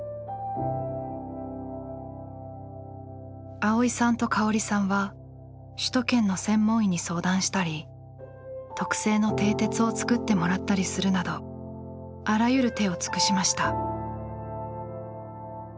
蒼依さんと香織さんは首都圏の専門医に相談したり特製のてい鉄を作ってもらったりするなどあらゆる手を尽くしました。